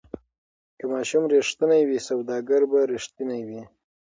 که ماشوم ریښتینی وي سوداګر به ریښتینی وي.